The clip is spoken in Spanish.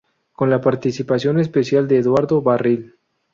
Con la participación especial de Eduardo Barril.